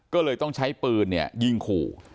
ก็เลยต้องใช้ปืนยิงขู่